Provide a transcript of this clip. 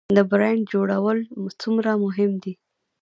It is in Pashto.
د برنډ جوړول څومره مهم دي؟